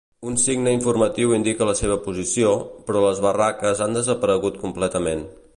Un signe informatiu indica la seva posició, però les barraques han desaparegut completament.